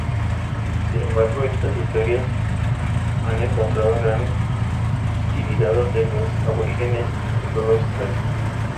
Sin embargo, estas historias han encontrado gran hostilidad entre los aborígenes de toda Australia.